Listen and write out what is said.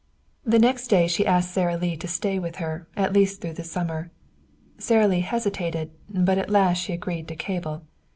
The next day she asked Sara Lee to stay with her, at least through the summer. Sara Lee hesitated, but at last she agreed to cable.